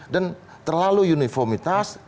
dan terlalu uniformitas